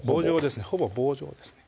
ほぼ棒状ですね